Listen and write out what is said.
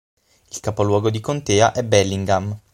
Il capoluogo di contea è Bellingham.